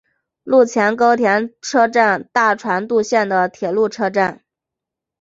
陆前高田车站大船渡线的铁路车站。